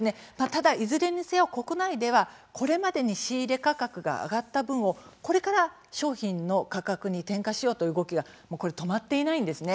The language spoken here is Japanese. ただ、いずれにせよ国内では、これまでに仕入れ価格が上がった分をこれから商品の価格に転嫁しようという動きが止まっていないんです。